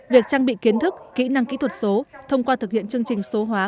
việc trang bị kiến thức kỹ năng kỹ thuật số thông qua thực hiện chương trình số hóa